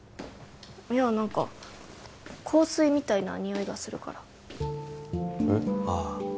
いや何か香水みたいなにおいがするからえっああ